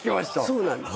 そうなんです。